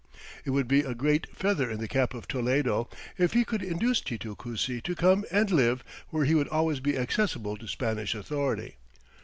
It would be a great feather in the cap of Toledo if he could induce Titu Cusi to come and live where he would always be accessible to Spanish authority.